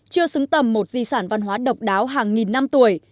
chưa xứng tầm một di sản văn hóa độc đáo hàng nghìn năm tuổi